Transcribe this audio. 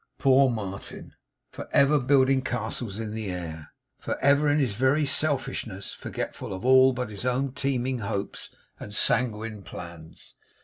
Poor Martin! For ever building castles in the air. For ever, in his very selfishness, forgetful of all but his own teeming hopes and sanguine plans.